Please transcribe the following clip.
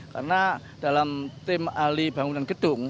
karena dalam tim alih bangunan gedung